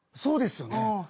そうですよね。